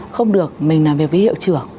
không được mình làm việc với hiệu trưởng